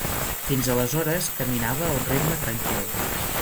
Fins aleshores caminava a un ritme tranquil.